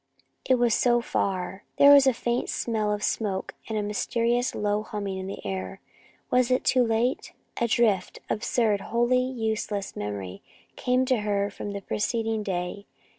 It was so far! There was a faint smell of smoke and a mysterious low humming in the air. Was it too late? A swift, absurd, wholly useless memory came to her from the preceding day.